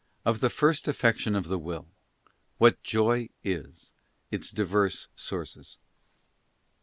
Of the first affectiop of the Will. What Joy is. Its diverse sources.